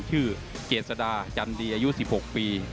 ชื่อเจษดาจันดีอายุ๑๖ปี